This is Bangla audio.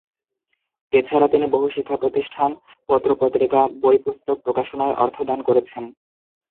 এছাড়া তিনি বহু শিক্ষা প্রতিষ্ঠান, পত্র-পত্রিকা, বই পুস্তক প্রকাশনায় অর্থ দান করেছেন।